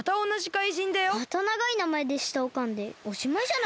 またながいなまえでしたをかんでおしまいじゃないですか？